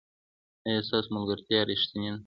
ایا ستاسو ملګرتیا ریښتینې ده؟